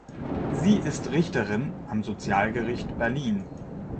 Sie ist Richterin am Sozialgericht Berlin.